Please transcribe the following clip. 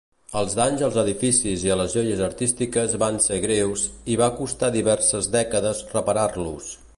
Els danys als edificis i a les joies artístiques van ser greus i va costar diverses dècades reparar-los.